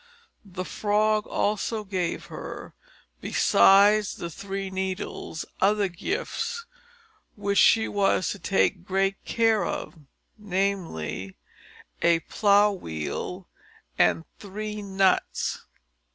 The frog also gave her, besides the three needles, other gifts, which she was to take great care of namely, a plough wheel, and three nuts.